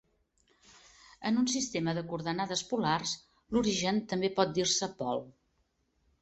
En un sistema de coordenades polars, l'origen també pot dir-se pol.